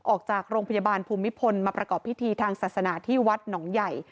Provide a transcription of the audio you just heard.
ออกจากโรงพยาบาลภูมิพลมาประกอบพิธีทางศาสนาที่วัดหนองใหญ่